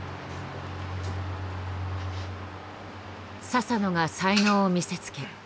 佐々野が才能を見せつけ